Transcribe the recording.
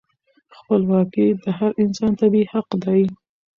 خپلواکي د هر انسان طبیعي حق دی.